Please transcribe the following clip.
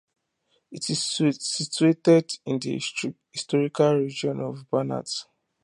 It is situated in the historical region of Banat.